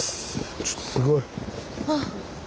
ちょっとすごい。